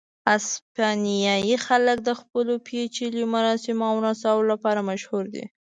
اسپانیایي خلک د خپلو پېچلیو مراسمو او نڅاو لپاره مشهور دي.